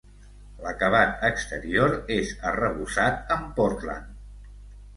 L'acabat exterior és arrebossat amb pòrtland.